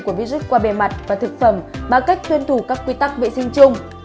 của virus qua bề mặt và thực phẩm bằng cách tuyên thủ các quy tắc vệ sinh chung